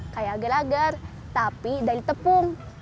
kayak agar tapi dari tepung